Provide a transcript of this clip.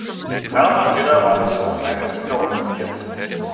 Hermann Ritter war der Sohn eines Unteroffiziers.